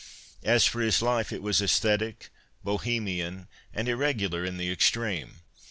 ' As for his life, it was aesthetic, Bohemian, and irregular in the extreme.